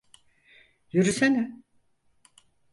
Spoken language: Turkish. Yürüsene!